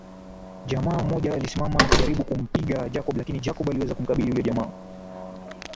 Jamaa mmoja alisimama na kujaribu kumpiga Jacob lakini Jacob aliweza kumkabili yule jamaa